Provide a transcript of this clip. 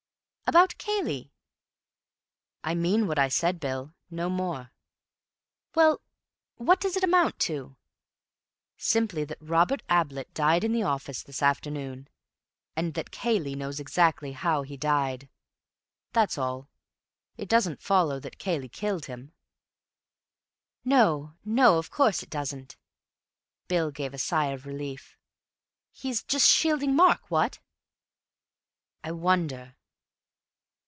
"About Cayley." "I mean what I said, Bill. No more." "Well, what does it amount to?" "Simply that Robert Ablett died in the office this afternoon, and that Cayley knows exactly how he died. That's all. It doesn't follow that Cayley killed him." "No. No, of course it doesn't." Bill gave a sigh of relief. "He's just shielding Mark, what?" "I wonder."